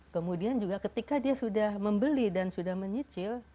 kemudian juga ketika dia sudah membeli dan sudah menyicil